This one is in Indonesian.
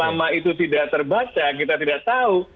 selama itu tidak terbaca kita tidak tahu